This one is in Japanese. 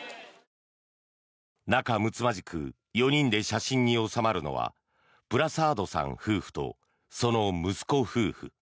仲むつまじく４人で写真に納まるのはプラサードさん夫婦とその息子夫婦。